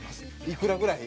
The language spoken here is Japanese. いくらぐらい？